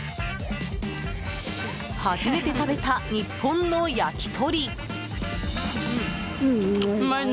初めて食べた日本の焼き鳥。